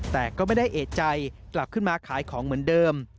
แต่ก็ไม่ได้เอกใจกลับขึ้นมาขายของเหมือนเดิม